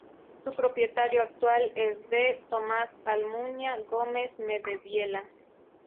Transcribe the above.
Su propietario actual es D. Tomás Almunia Gomez-Medeviela.